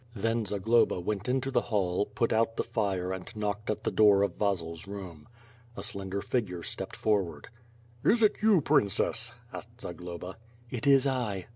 Then Zagloba went into the hall, put out the fire and knocked at the door of Vasil's room. A slender figure stepped forward. "Is it you, Princess?" asked Zagloba. "It is I."